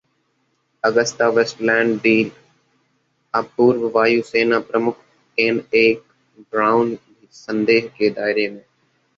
Agusta Westland deal: अब पूर्व वायुसेना प्रमुख एनएके ब्राउन भी संदेह के दायरे में